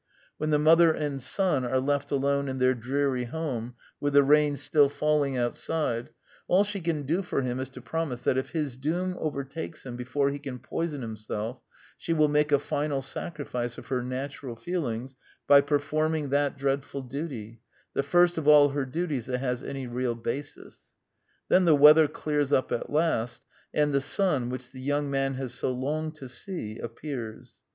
When the mother and son are left alone in their dreary home, with the rain still falling outside, all she can do for him is to promise that if his doom overtakes him before he can poison himself, she will make a final sacrifice of her natural feelings by performing that dreadful duty, the first of all her duties that has any real basis. Then the weather clears up at last; and the sun, which the young man has so longed to see, appears.